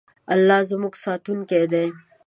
الله زموږ ساتونکی دی.